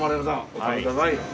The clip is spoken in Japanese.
お食べください。